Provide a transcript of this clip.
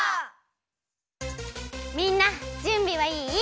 みんなじゅんびはいい？